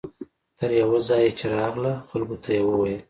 تر یوه ځایه چې راغله خلکو ته یې وویل.